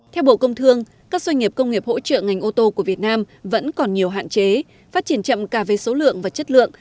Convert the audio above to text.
theo bộ công thương các doanh nghiệp công nghiệp hỗ trợ ngành ô tô của việt nam vẫn còn nhiều hạn chế phát triển chậm cả về số lượng và chất lượng